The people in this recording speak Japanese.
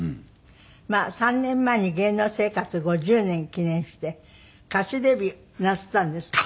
まあ３年前に芸能生活５０年を記念して歌手デビューなすったんですって？